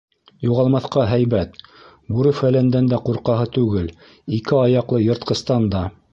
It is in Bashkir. Юғалмаҫҡа һәйбәт, бүре-фәләндән дә ҡурҡаһы түгел, ике аяҡлы йыртҡыстан да.